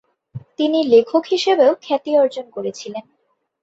তিনি লেখক হিসাবেও খ্যাতি অর্জন করেছিলেন।